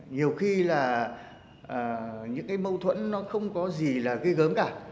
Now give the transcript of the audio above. nhiều khi là những mâu thuẫn không có gì là gây gớm cả